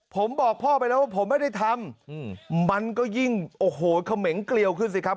ผมบอกพ่อไปแล้วว่าผมไม่ได้ทำมันก็ยิ่งโอ้โหเขมงเกลียวขึ้นสิครับ